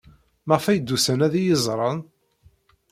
Maɣef ay d-usan ad iyi-ẓren?